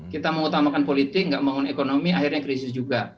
kita mengutamakan politik gak membangun ekonomi akhirnya krisis juga